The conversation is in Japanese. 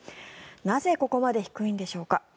なぜここまで低いんでしょうか。